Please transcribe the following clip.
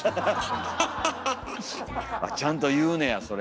ちゃんと言うねやそれ。